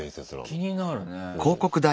気になるね。